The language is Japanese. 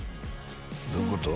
どういうこと？